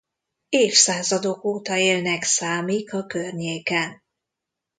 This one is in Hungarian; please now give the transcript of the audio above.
Évszázadok óta élnek számik a környéken.